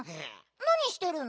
なにしてるの？